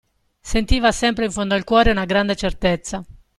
Sentiva sempre in fondo al cuore una grande certezza.